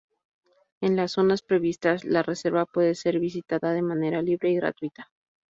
En las zonas previstas, la reserva puede ser visitada de manera libre y gratuita.